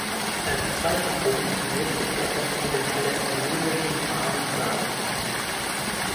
Als zweiten Punkt möchte ich etwas zu den palästinensischen Wahlen sagen.